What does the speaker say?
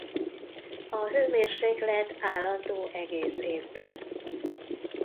A hőmérséklet állandó egész évben.